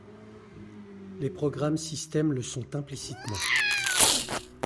Les programmes système le sont implicitement.